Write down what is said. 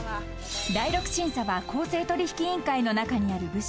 ［第六審査は公正取引委員会の中にある部署］